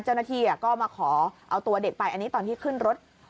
เจ้าหน้าที่ก็มาขอเอาตัวเด็กไปอันนี้ตอนที่ขึ้นรถ